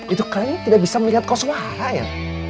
itu kerennya tidak bisa melihat koswara ya